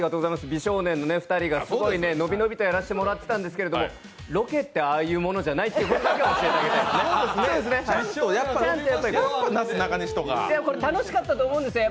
美少年の２人がすごい伸び伸びとやらせてもらってたんですけど、ロケって、ああいうものじゃないってことだけ教えてあげたいですね。